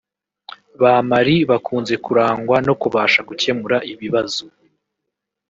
Ba Marie bakunze kurangwa no kubasha gukemura ibibazo